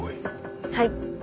はい。